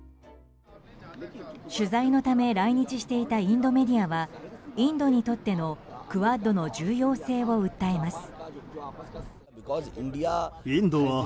取材のため来日していたインドメディアはインドにとってのクアッドの重要性を訴えます。